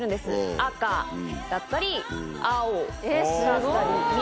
赤だったり青だったり緑。